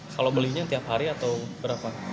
kalau belinya tiap hari atau berapa